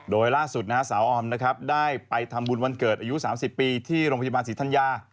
โดยล่าสุดนะฮะสาวออมนะครับได้ไปทำบุญวันเกิดอายุ๓๐ปีที่โรงพยาบาลศรีธัญญา